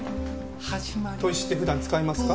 砥石って普段使いますか？